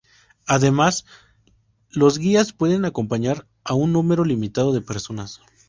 Además, los guías pueden acompañar a un número limitado de personas.